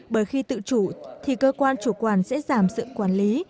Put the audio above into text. bởi khi tự chủ thì cơ quan chủ quản sẽ giảm sự quản lý